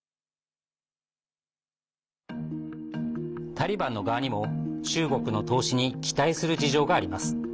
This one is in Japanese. タリバンの側にも中国の投資に期待する事情があります。